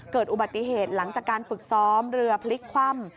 เกิดอุบัติเหตุหลังจากการฝึกซ้อมเรือพลิกคว่ำ